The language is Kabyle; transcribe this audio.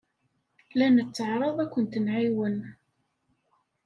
La netteɛṛaḍ ad kent-nɛiwen.